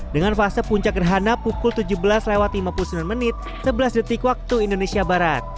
dengan fase puncak gerhana pukul tujuh belas lima puluh sembilan sebelas wib